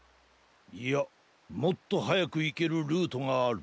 いやもっとはやくいけるルートがある。